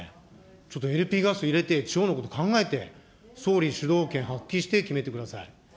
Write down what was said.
ちょっとＬＰガス入れて、地方のこと考えて、総理、主導権発揮して決めてください。